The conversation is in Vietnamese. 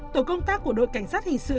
tổ công tác của đội cảnh sát hình sự